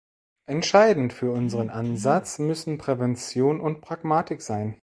Entscheidend für unseren Ansatz müssen Prävention und Pragmatik sein.